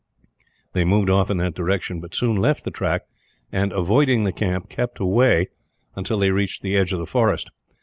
They moved off in that direction; but soon left the track and, avoiding the camp, kept away until they reached the edge of the forest.